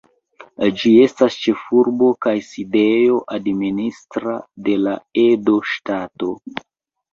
Ĝi estas ĉefurbo kaj sidejo administra de la Edo Ŝtato.